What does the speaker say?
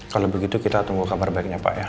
kalau begitu kita tunggu kabar baiknya pak ya